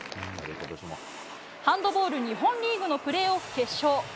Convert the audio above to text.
ハンドボール日本リーグのプレーオフ決勝。